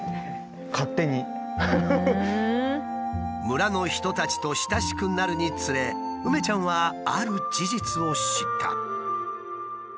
村の人たちと親しくなるにつれ梅ちゃんはある事実を知った。